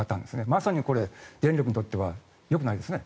まさにこれ電力にとってはよくないですね。